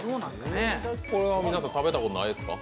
これは皆さん食べたことないですか？